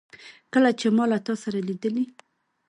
کله چي ما له تا سره لیدلې